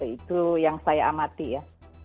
itu yang saya amati ya